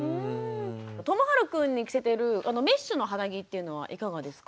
ともはるくんに着せてるメッシュの肌着っていうのはいかがですか？